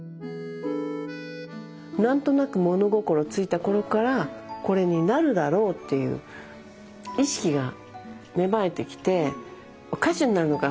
何となく物心ついた頃からこれになるだろうっていう意識が芽生えてきて歌手になるのか